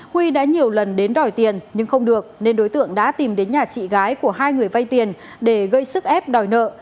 huy đã nhiều lần đến đòi tiền nhưng không được nên đối tượng đã tìm đến nhà chị gái của hai người vay tiền để gây sức ép đòi nợ